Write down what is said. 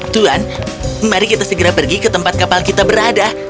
tuan mari kita segera pergi ke tempat kapal kita berada